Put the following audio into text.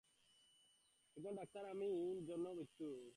আমি একজন ডাক্তার, এবং আমি জানি মৃত্যু দেখতে কেমন লাগে।